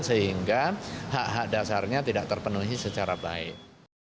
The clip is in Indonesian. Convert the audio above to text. sehingga hak hak dasarnya tidak terpenuhi secara baik